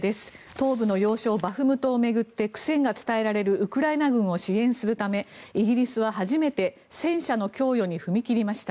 東部の要衝バフムトを巡って苦戦が伝えられるウクライナ軍を支援するためイギリスは初めて戦車の供与に踏み切りました。